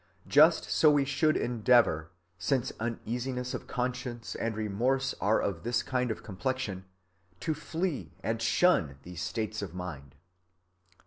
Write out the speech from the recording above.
Just so we should endeavor, since uneasiness of conscience and remorse are of this kind of complexion, to flee and shun these states of mind."